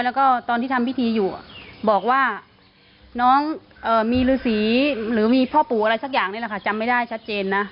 แล้วก็ตอนที่ทำพิธีอยู่บอกว่าน้องมีฤษีหรือมีพ่อปู่อะไรสักอย่างนี่แหละค่ะจำไม่ได้ชัดเจนนะ